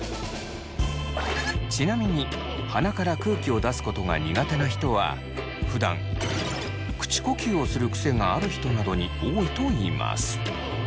ちなみに鼻から空気を出すことが苦手な人はふだん口呼吸をする癖がある人などに多いといいます。